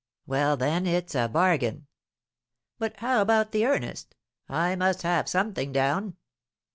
"Well, then, it's a bargain." "But how about the earnest? I must have something down."